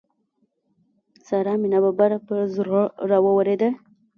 سارا مې ناببره پر زړه را واورېده.